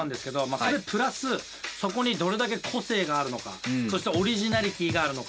それプラスそこにどれだけ個性があるのかそしてオリジナリティーがあるのか。